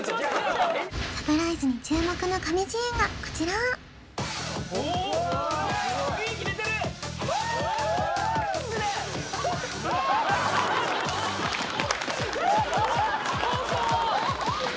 サプライズに注目の神シーンがこちら・おっ雰囲気出てる康子！